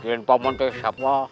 dan paman teh siapa